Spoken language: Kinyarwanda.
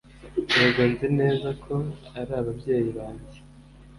Yego nzi neza ko ari ababyeyi banjye